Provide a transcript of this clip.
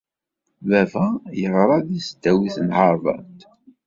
Baba yeɣra deg Tesdawit n Harvard.